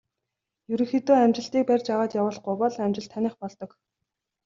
Ерөнхийдөө амжилтыг барьж аваад явуулахгүй бол амжилт таных болдог.